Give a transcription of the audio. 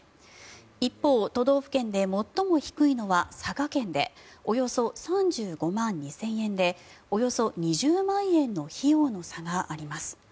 一方、都道府県で最も低いのは佐賀県でおよそ３５万２０００円でおよそ２０万円の費用の差があります。